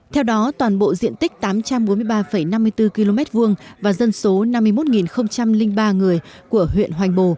theo đó toàn bộ diện tích tám trăm bốn mươi ba năm mươi bốn km hai và dân số năm mươi một ba người của huyện hoành bồ